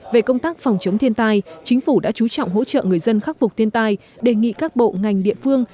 về công tác phòng chống thiên tai chính phủ đã chú trọng hỗ trợ người dân khắc phục thiên tai đề nghị các bộ ngành địa phương